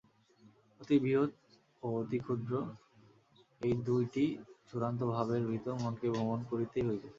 অতি বৃহৎ ও অতি ক্ষুদ্র এই দুইটি চূড়ান্ত ভাবের ভিতর মনকে ভ্রমণ করিতেই হইবে।